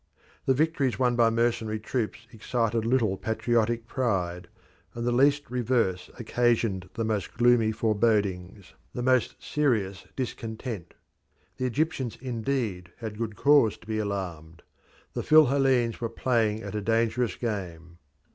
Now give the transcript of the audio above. The victories won by mercenary troops excited little patriotic pride, and the least reverse occasioned the most gloomy forebodings, the most serious discontent. The Egyptians indeed had good cause to be alarmed the Phil Hellenes were playing at a dangerous game.